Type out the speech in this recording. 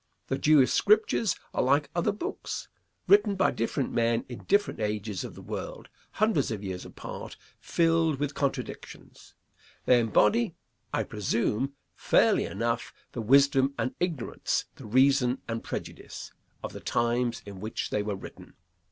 The Jewish Scriptures are like other books, written by different men in different ages of the world, hundreds of years apart, filled with contradictions. They embody, I presume, fairly enough, the wisdom and ignorance, the reason and prejudice, of the times in which they were written.